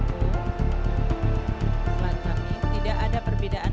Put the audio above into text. selanjutnya kami tidak ada perbedaan dari pembicaraan publik dan penanganan